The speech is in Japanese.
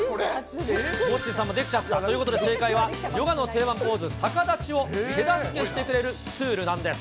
モッチーさんもできちゃった、ということで正解は、ヨガの定番ポーズ、逆立ちを手助けしてくれるスツールなんです。